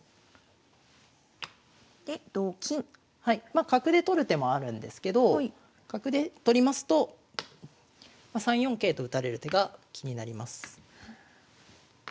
まあ角で取る手もあるんですけど角で取りますと３四桂と打たれる手が気になります。